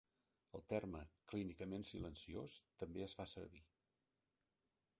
El terme clínicament silenciós també es fa servir.